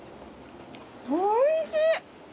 おいしい。